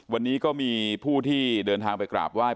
วันนี้ก็มีผู้ที่เดินทางไปกราบไห้